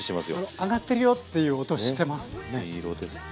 揚がってるよっていう音してますよね。